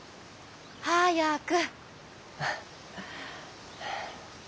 早く。